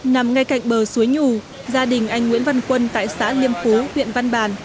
nằm ngay cạnh bờ suối nhù gia đình anh nguyễn văn quân tại xã liêm phú huyện văn bàn